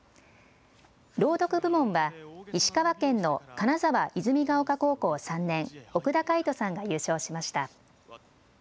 朗読部門は石川県の金沢泉丘高校３年奥田開斗さんが優勝しました。